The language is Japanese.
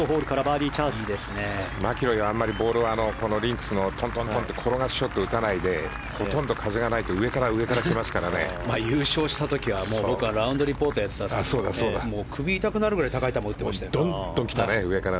マキロイはあまりボールをリンクスのとんとんって転がすショットを打たないでほとんど風がないと優勝した時はラウンドリポーターやってたんですが首痛くなるぐらい高い球上がっていましたよ。